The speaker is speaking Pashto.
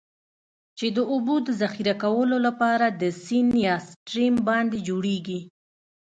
چې د اوبو د ذخیره کولو لپاره د سیند یا Stream باندی جوړیږي.